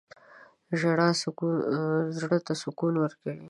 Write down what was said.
• ژړا زړه ته سکون ورکوي.